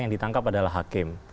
yang ditangkap adalah hakim